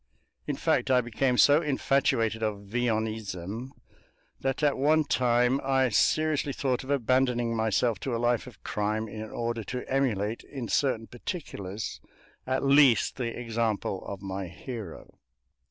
In fact, I became so infatuated of Villonism that at one time I seriously thought of abandoning myself to a life of crime in order to emulate in certain particulars at least the example of my hero.